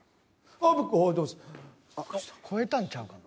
あっ！あっ超えたんちゃうかな。